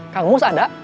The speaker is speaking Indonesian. kang mus ada